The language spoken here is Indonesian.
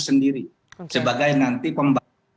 sendiri sebagai nanti pembantu